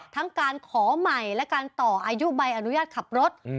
ทั้งการขอใหม่และการต่ออายุใบอนุญาตขับรถ